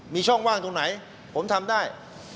มีช่องว่างตรงไหนผมทำได้